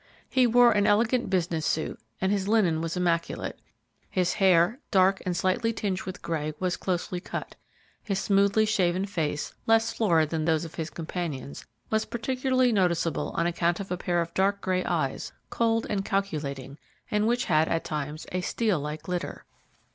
He wore an elegant business suit and his linen was immaculate; his hair, dark and slightly tinged with gray, was closely cut; his smoothly shaven face, less florid than those of his companions, was particularly noticeable on account of a pair of dark gray eyes, cold and calculating, and which had at times a steel like glitter.